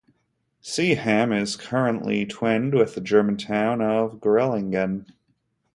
Seaham is currently twinned with the German town of Gerlingen.